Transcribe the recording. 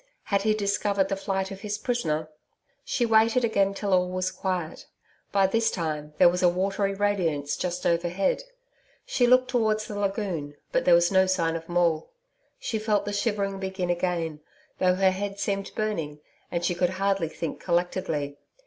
Had he discovered the flight of his prisoner? She waited again till all was quiet. By this time, there was a watery radiance just overhead. She looked towards the lagoon, but there was no sign of Maule. She felt the shivering begin again, though her head seemed burning, and she could hardly think collectedly.